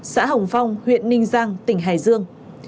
xã hồng phong huyện ninh giang tỉnh hải dương